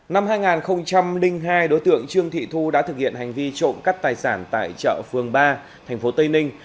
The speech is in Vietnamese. năm hai nghìn hai đối tượng trương thị thu đã thực hiện hành vi trộm cắt tài sản tại chợ phương ba thành phố tây ninh